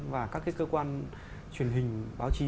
và các cái cơ quan truyền hình báo chí